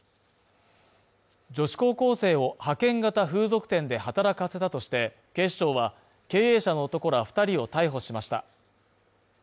女子高校生を派遣型風俗店で働かせたとして、警視庁は経営者の男ら２人を逮捕しました。